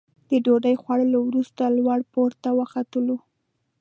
د ډوډۍ خوړلو وروسته لوړ پوړ ته وختلو.